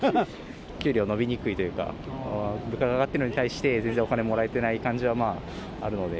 給料が伸びにくいというか、物価が上がってるのに対して、全然お金もらえてない感じはまああるので。